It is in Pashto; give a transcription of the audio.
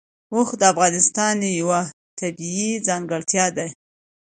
اوښ د افغانستان یوه طبیعي ځانګړتیا ده.